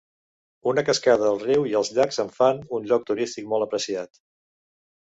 Una cascada al riu i els llacs en fan un lloc turístic molt apreciat.